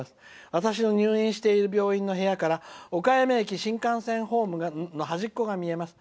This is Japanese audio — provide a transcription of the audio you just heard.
私の入院している部屋から岡山駅新幹線ホームの端っこが見えます。